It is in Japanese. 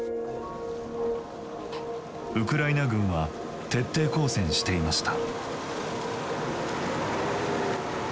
ウクライナ軍は徹底抗戦していました。